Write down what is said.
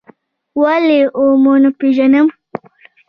ولې و مو نه پېژندم؟